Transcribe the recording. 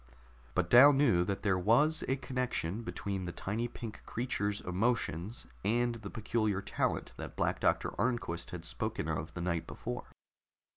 But Dal knew that there was a connection between the tiny pink creature's emotions and the peculiar talent that Black Doctor Arnquist had spoken of the night before.